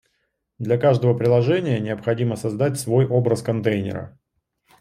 Для каждого приложения необходимо создать свой образ контейнера